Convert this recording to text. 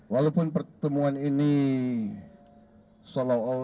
walaupun pertemuan ini seolah olah tidak formal